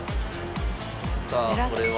さあこれは。